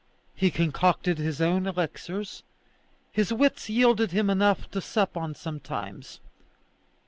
He concocted his own elixirs. His wits yielded him enough to sup on sometimes.